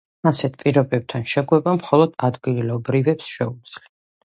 ასეთ პირობებთან შეგუება მხოლოდ ადგილობრივებს შეუძლიათ.